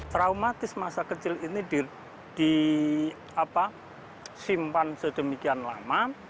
traumatis masa kecil ini disimpan sedemikian lama